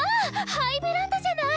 ハイブランドじゃない！